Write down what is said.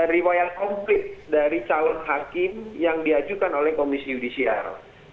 riwayat komplit dari calon hakim yang diajukan oleh komisi yudisial